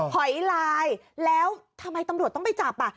หอยลายแล้วทำไมตำรวจต้องไปจับอ่ะ